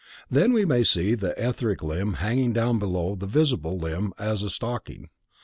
Then we may see the etheric limb hanging down below the visible limb as a stocking.